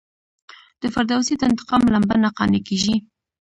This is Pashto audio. د فردوسي د انتقام لمبه نه قانع کیږي.